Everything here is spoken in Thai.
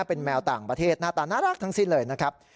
เป็นแมวต่างประเทศหน้าตาน่ารักทั้งสิ้นเลยนะครับ